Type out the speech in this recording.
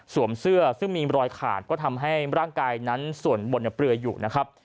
เสื้อซึ่งมีรอยขาดก็ทำให้ร่างกายนั้นส่วนบนเปลืออยู่นะครับ